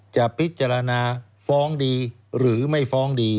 จะพิจารณาฟ้องดีหรือไม่ฟ้องดี